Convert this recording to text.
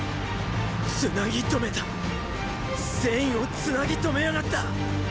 つなぎとめた戦意をつなぎとめやがった！